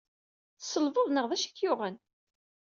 Tselbed neɣ d acu ay k-yuɣen?